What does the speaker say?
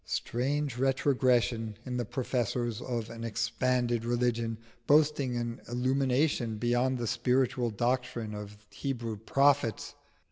Strange retrogression in the professors of an expanded religion, boasting an illumination beyond the spiritual doctrine of Hebrew prophets!